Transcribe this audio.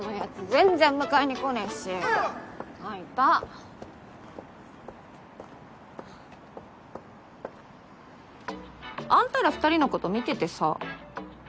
全然迎えに来ねえしあっいたあんたら２人のこと見ててさ。